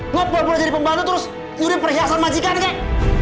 lu pura pura jadi pembantu terus nyuri perhiasan majikan kek